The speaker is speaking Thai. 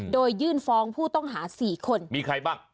โดยยื่นฟ้องผู้ต้องหา๔คนมีใครบ้าง